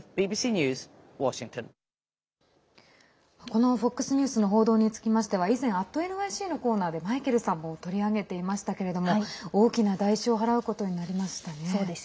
このＦＯＸニュースの報道につきましては以前「＠ｎｙｃ」のコーナーでマイケルさんも取り上げていましたけれども大きな代償を払うことになりましたね。